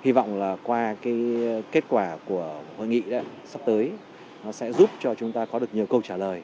hy vọng là qua kết quả của hội nghị sắp tới nó sẽ giúp cho chúng ta có được nhiều câu trả lời